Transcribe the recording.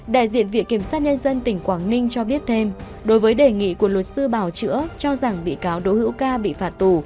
đại diện viện kiểm sát nhân dân tỉnh quảng ninh cho biết thêm đối với đề nghị của luật sư bảo chữa cho rằng bị cáo đỗ hữu ca bị phạt tù